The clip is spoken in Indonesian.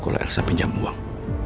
kalau elsa pinjam uang